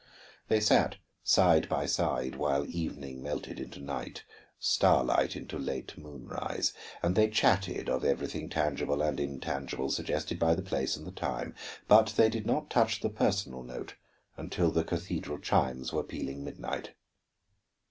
They sat side by side while evening melted into night, starlight into late moonrise; and they chatted of everything tangible and intangible suggested by the place and the time. But they did not touch the personal note until the cathedral chimes were pealing midnight.